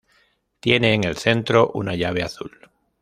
Tiene en el centro una llave azul.